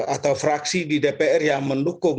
atau fraksi di dpr yang mendukung